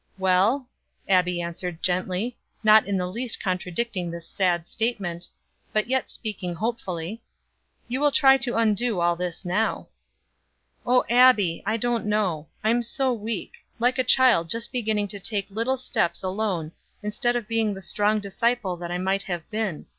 "Well," Abbie answered gently, not in the least contradicting this sad statement, but yet speaking hopefully, "you will try to undo all this now." "Oh, Abbie, I don't know. I am so weak like a child just beginning to take little steps alone, instead of being the strong disciple that I might have been.